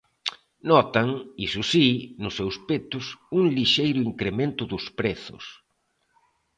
Notan, iso si, nos seus petos, un lixeiro incremento dos prezos.